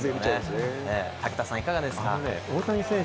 武田さん、いかがですか？